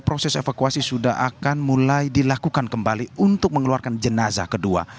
proses evakuasi sudah akan mulai dilakukan kembali untuk mengeluarkan jenazah kedua